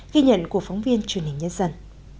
ghi nhận của phóng viên truyền hình nhân dân